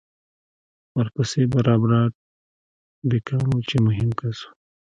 ورپسې به رابرټ بېکان و چې مهم کس و